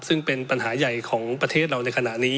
ซึ่งเป็นปัญหาใหญ่ของประเทศเราในขณะนี้